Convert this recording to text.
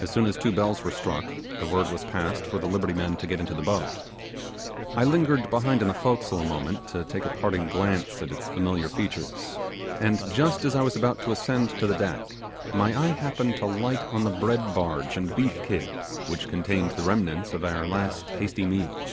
As soon as two bells were struck, the word was passed for the liberty men to get into the boat. I lingered behind in the forecastle a moment to take a parting glance at its familiar features, and just as I was about to ascend to the deck my eye happened to light on the bread barge and beef kid, which contained the remnants of our last hasty meal.